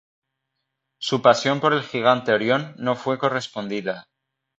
Su pasión por el gigante Orión no fue correspondida.